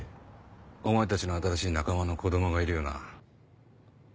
お前たちの新しい仲間の子供がいるよな？